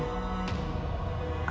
aku akan mencari